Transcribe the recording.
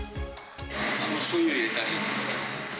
しょうゆを入れたり。